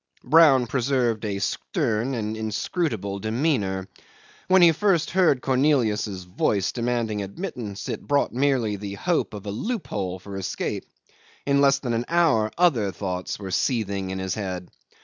Brown preserved a stern and inscrutable demeanour. When he first heard Cornelius's voice demanding admittance, it brought merely the hope of a loophole for escape. In less than an hour other thoughts were seething in his head.